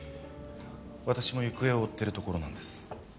私も行方を追ってるところなんです。